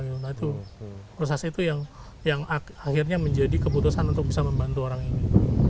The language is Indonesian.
nah itu proses itu yang akhirnya menjadi keputusan untuk bisa membantu orang ini